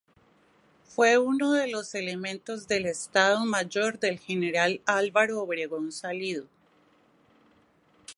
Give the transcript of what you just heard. Fue uno de los elementos del "Estado Mayor del General Álvaro Obregón Salido".